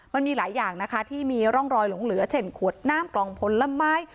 มันมีหลายอย่างนะคะที่มีร่องรอยหลงเหลือเช่นขวดน้ำกล่องผลไม้